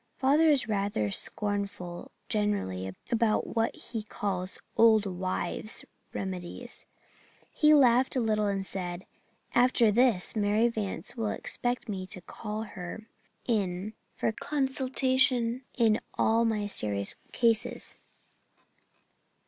Father is rather scornful generally about what he calls 'old wives' remedies.' He laughed a little and said, 'After this, Mary Vance will expect me to call her in for consultation in all my serious cases.'